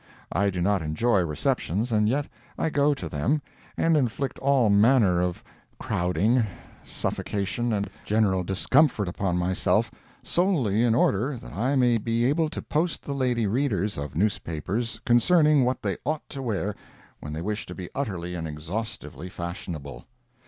I do not enjoy receptions, and yet I go to them, and inflict all manner of crowding, suffocation, and general discomfort upon myself, solely in order that I may be able to post the lady readers of newspapers concerning what they ought to wear when they wish to be utterly and exhaustively fashionable.